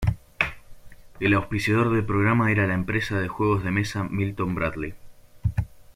El auspiciador del programa era la empresa de juegos de mesa Milton Bradley.